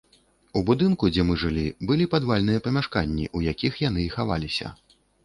У будынку, дзе мы жылі, былі падвальныя памяшканні, у якіх яны і хаваліся.